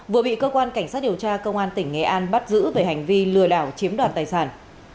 và cảnh sát điều tra công an tỉnh nghệ an bắt giữ về hành vi lừa đảo chiếm đoạt tài sản